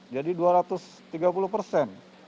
jadi dua ratus tiga puluh persen